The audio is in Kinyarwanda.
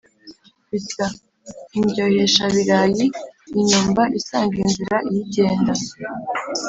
Bita "Indyohesha-birayi!"Inyumba isanga inzira iyo igenda,